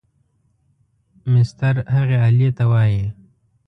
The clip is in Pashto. مسطر هغې آلې ته وایي.